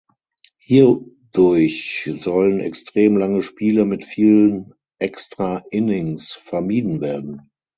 Hierdurch sollen extrem lange Spiele mit vielen Extra Innings vermieden werden.